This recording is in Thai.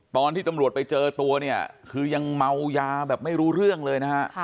ตอนที่ตำรวจไปเจอตัวเนี่ยคือยังเมายาแบบไม่รู้เรื่องเลยนะฮะ